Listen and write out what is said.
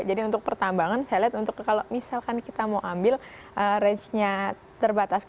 jadi untuk pertambangan saya lihat untuk kalau misalkan kita mau ambil rangenya terbatas